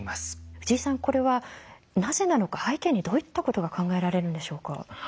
藤井さんこれはなぜなのか背景にどういったことが考えられるんでしょうか。